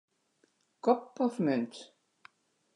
Kop of munt.